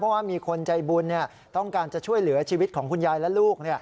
เพราะว่ามีคนใจบุญต้องการจะช่วยเหลือชีวิตของคุณยายและลูก